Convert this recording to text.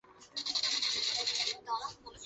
完全平方数是指等于某个正整数的平方的数。